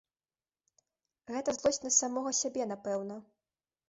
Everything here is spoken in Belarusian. Гэта злосць на самога сябе, напэўна.